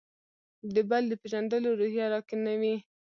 د «بل» د پېژندلو روحیه راکې نه وي.